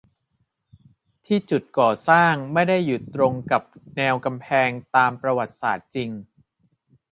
ที่จุดก่อสร้างไม่ได้อยู่ตรงกับแนวกำแพงตามประวัติศาสตร์จริง